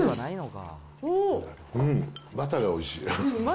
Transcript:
うん、バターがおいしい。